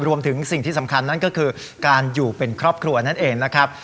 รวมถึงสิ่งที่สำคัญนั่นก็คือการอยู่เป็นครอบครัวนั่นเองนะครับ